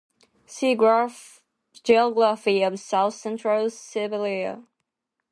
See Geography of South-Central Siberia.